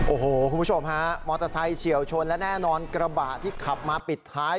โอ้โหคุณผู้ชมฮะมอเตอร์ไซค์เฉียวชนและแน่นอนกระบะที่ขับมาปิดท้าย